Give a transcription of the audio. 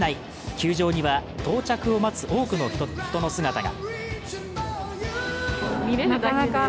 球場には到着を待つ多くの人の姿が。